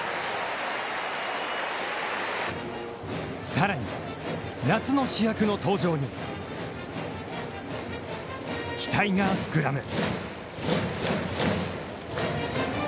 さらに、夏の主役の登場に期待が膨らむ。